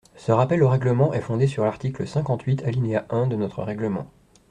Ce rappel au règlement est fondé sur l’article cinquante-huit, alinéa un de notre règlement.